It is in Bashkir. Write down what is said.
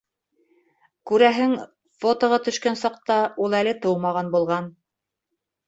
Күрәһең, фотоға төшкән саҡта ул әле тыумаған булған.